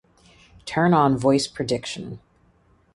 Turn on voice prediction.